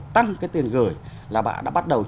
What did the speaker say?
tăng cái tiền gửi là bạn đã bắt đầu